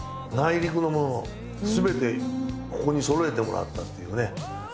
内陸のものすべてここにそろえてもらったっていうね。